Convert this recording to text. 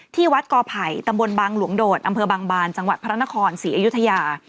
ที่วัดกอไผ่ตำบลบางหลวงโดดอำเภอบางบานจังหวัดพระนครศรีอยุธยา